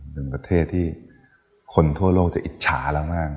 เป็นประเทศที่คนทั่วโลกจะอิจฉาเรามาก